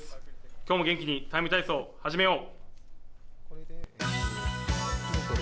今日も元気にＴＩＭＥ体操、始めよう！